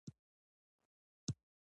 نيا دي څنګه ده